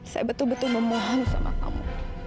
saya betul betul memohon sama kamu